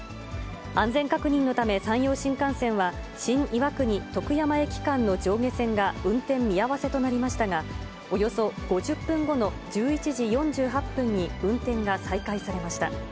安全確認のため、山陽新幹線は、新岩国・徳山駅間の上下線が運転見合わせとなりましたが、およそ５０分後の１１時４８分に運転が再開されました。